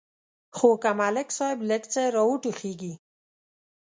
خو که ملک صاحب لږ څه را وټوخېږي.